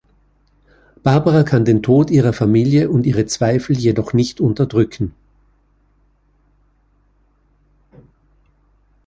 Barbara kann den Tod ihrer Familie und ihre Zweifel jedoch nicht unterdrücken.